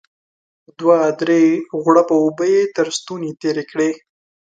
دوه درې غوړپه اوبه يې تر ستوني تېرې کړې.